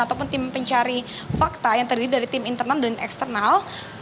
ataupun tim pencari fakta yang terdiri dari tim internal dan eksternal